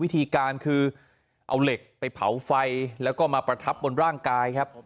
วิธีการคือเอาเหล็กไปเผาไฟแล้วก็มาประทับบนร่างกายครับ